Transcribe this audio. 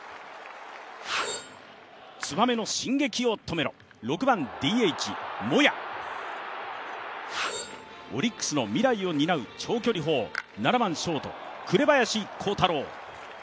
つばめの進撃を止めろ、６番ＤＨ・モヤオリックスの未来を担う長距離砲、７番・ショート・紅林弘太郎。